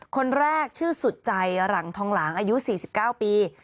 คนแรกชื่อสุดใจหลังทองหลางอายุ๔๙ปี